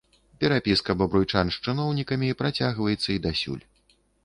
Перапіска бабруйчан з чыноўнікамі працягваецца і дасюль.